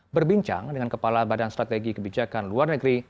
berbincang dengan kepala badan strategi kebijakan luar negeri